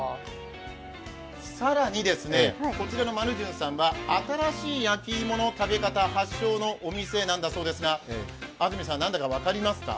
更に、こちらの丸じゅんさんは新しい焼き芋の食べ方発祥のお店なんだそうですが、何だか分かりますか？